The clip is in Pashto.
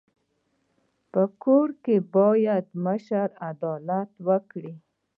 په کور کي بايد مشر عدالت وکړي.